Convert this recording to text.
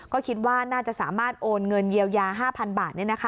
ก็คิดว่าน่าจะสามารถโอนเงินเยียวยา๕๐๐๐บาท